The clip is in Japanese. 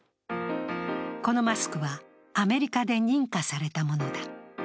このマスクはアメリカで認可されたものだ。